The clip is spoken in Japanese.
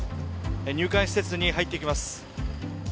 入管施設に入っていきます。